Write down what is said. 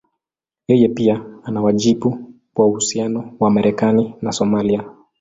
Yeye pia ana wajibu kwa uhusiano wa Marekani na Somalia.